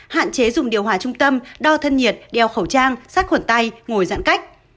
hạn chế dùng điều hòa trung tâm đo thân nhiệt đeo khẩu trang sát khuẩn tay ngồi giãn cách